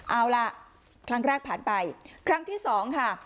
เอาล่ะครั้งแรกผ่านไปครั้งที่สองค่ะ